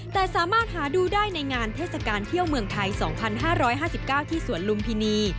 แต่สามารถหาดูได้ในงานเทศกาลเที่ยวเมืองไทย๒๕๕๙ที่สวนลุมพินี